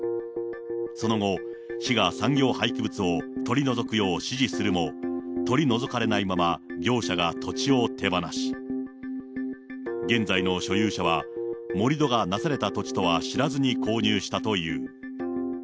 その後、市が産業廃棄物を取り除くよう指示するも、取り除かれないまま業者が土地を手放し、現在の所有者は、盛り土がなされた土地とは知らずに購入したという。